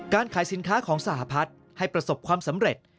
การขายสินค้าของสหพัฒน์ให้ประสบความสำเร็จ